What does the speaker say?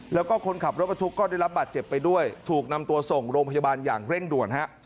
แล้วก็คนขับรถบรรทุกก็ได้รับบาดเจ็บไปด้วยถูกนำตัวส่งโรงพยาบาลอย่างเร่งด่วนฮะ